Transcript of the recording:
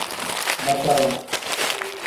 Batawa.